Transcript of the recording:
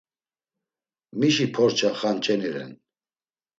Mişi porça xanç̌eni ren?